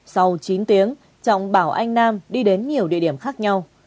sau chín tiếng trọng bảo anh nam đi đến nhiều địa điểm khác nhau